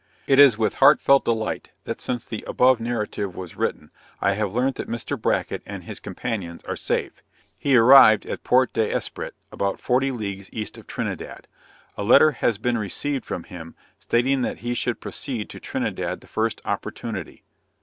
It is with heartfelt delight, that, since the above narrative was written, I have learned that Mr. Bracket and his companions are safe; he arrived at Port d'Esprit, about forty leagues east of Trinidad. A letter has been received from him, stating that he should proceed to Trinidad the first opportunity.